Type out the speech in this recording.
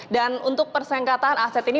dan untuk persengketaan aset ini